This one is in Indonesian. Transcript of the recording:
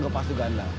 gak pasti ganda